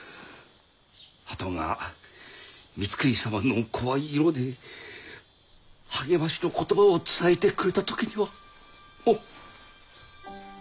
鳩が光圀様の声色で励ましの言葉を伝えてくれた時にはもう。